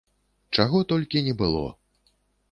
Чаго толькі не было!